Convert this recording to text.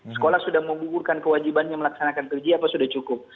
sekolah sudah membugurkan kewajibannya melaksanakan kerja apa sudah cukup